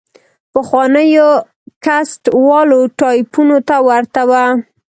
پخوانيو کسټ والا ټايپونو ته ورته وه.